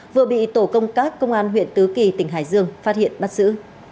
vừa bị tổ công tác công an huyện tứ kỳ tỉnh hải dương phát hiện bắt giữ